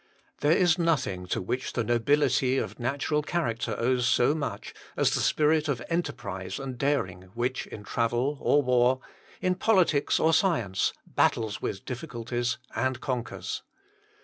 There is nothing to which the nobility of natural character owes so much as the spirit of enterprise and daring which in travel or war, in politics or science, battles with difficulties and conquers.